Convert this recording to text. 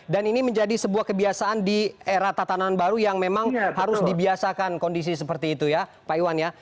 dan ini menjadi sebuah kebiasaan di era tatanan baru yang memang harus dibiasakan kondisi seperti itu ya pak iwan ya